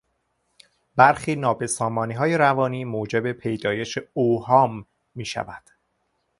برخی نابسامانیهای روانی موجب پیدایش اوهام میشود.